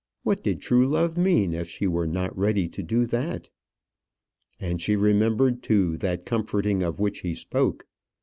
What did true love mean, if she were not ready to do that? And she remembered, too, that comforting of which he spoke.